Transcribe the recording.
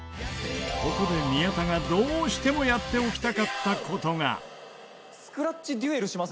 ここで宮田がどうしてもやっておきたかった事が。